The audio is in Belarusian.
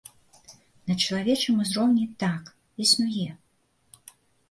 На чалавечым узроўні так, існуе.